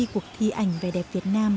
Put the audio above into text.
cuộc thi ảnh về đẹp việt nam